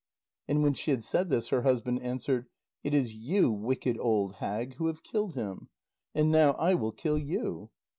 And when she had said this, her husband answered: "It is you, wicked old hag, who have killed him. And now I will kill you."